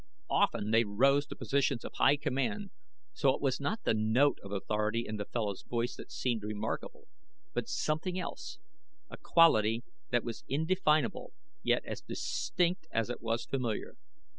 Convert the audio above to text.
Often they rose to positions of high command, so it was not the note of authority in the fellow's voice that seemed remarkable; but something else a quality that was indefinable, yet as distinct as it was familiar.